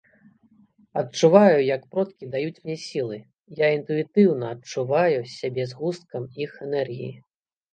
Адчуваю як продкі даюць мне сілы, я інтуітыўна адчуваю сябе згусткам іх энергіі.